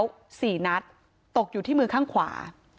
แล้ว๔นัดตกอยู่ที่มือข้างขวา